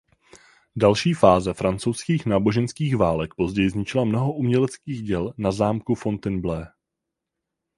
Další fáze francouzských náboženských válek později zničila mnoho uměleckých děl na zámku Fontainebleau.